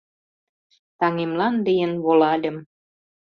Таҥемлан лийын волальым.